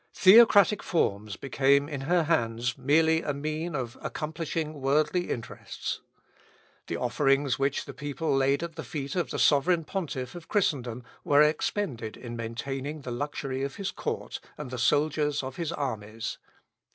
Theocratic forms became in her hands merely a mean of accomplishing worldly interests. The offerings which the people laid at the feet of the sovereign pontiff of Christendom were expended in maintaining the luxury of his court and the soldiers of his armies.